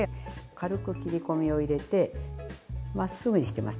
軽く切り込みを入れてまっすぐにしてます。